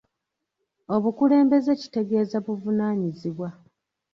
Obukulembze kitegeeza buvunaanyizibwa.